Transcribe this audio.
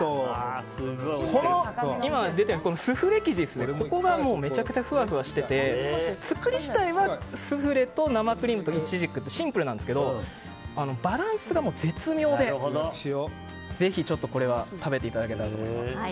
今、出ているスフレ生地がめちゃくちゃふわふわしてて作り自体はスフレと生クリームとイチジクとシンプルなんですけどバランスが絶妙でぜひ、これは食べていただきたいと思います。